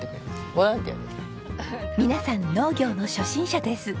皆さん農業の初心者です。